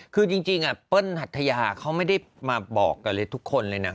คือจริงเปิ้ลหัทยาเขาไม่ได้มาบอกกันเลยทุกคนเลยนะ